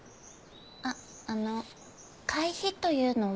あっあの会費というのは？